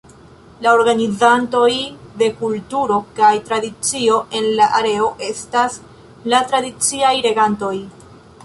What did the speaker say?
La organizantoj de kulturo kaj tradicio en la areo estas la tradiciaj regantoj.